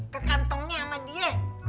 ke kantongnya sama dia